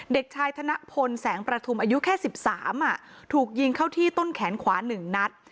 เด็กชายธนพลแสงประทุมอายุแค่๑๓ถูกยิงเข้าที่ต้นแขนขวา๑นัด